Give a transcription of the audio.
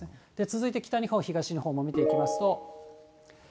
続いて北日本、東日本も見ていきますと。